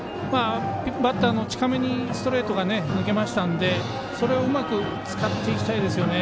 バッターの近めにストレートが抜けましたのでそれをうまく使っていきたいですよね。